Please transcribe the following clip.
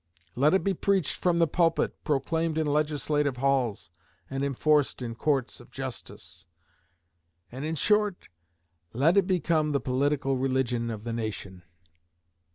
Let it be preached from the pulpit, proclaimed in legislative halls, and enforced in courts of justice. And, in short, let it become the political religion of the nation.